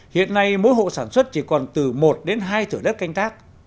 hiện nay mỗi hộ sản xuất chỉ còn từ một đến hai thửa đất canh tác